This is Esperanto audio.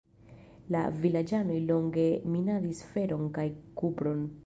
La vilaĝanoj longe minadis feron kaj kupron.